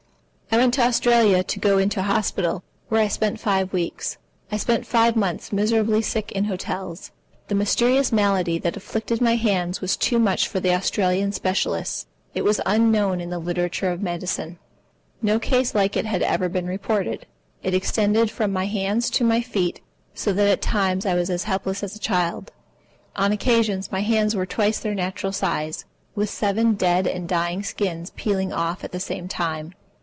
I went to Australia to go into hospital, where I spent five weeks. I spent five months miserably sick in hotels. The mysterious malady that afflicted my hands was too much for the Australian specialists. It was unknown in the literature of medicine. No case like it had ever been reported. It extended from my hands to my feet so that at times I was as helpless as a child. On occasion my hands were twice their natural size, with seven dead and dying skins peeling off at the same time.